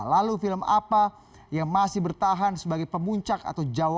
lalu film apa yang masih bertahan sebagai pemuncak atau jawaban